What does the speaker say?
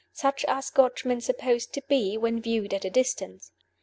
Such are Scotchmen supposed to be, when viewed at a distance.